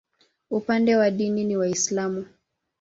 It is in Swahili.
Upande wa dini ni Waislamu.